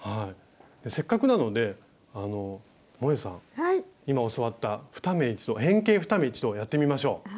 せっかくなのでもえさん今教わった変形２目一度をやってみましょう。